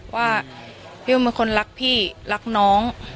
ว่าพี่อุ้มเป็นคนรักพี่รักน้อง